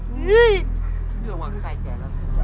ไม่อยู่หวังไข่เรา